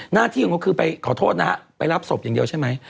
หน้าที่ของเขาคือไปขอโทษนะฮะไปรับศพอย่างเดียวใช่ไหม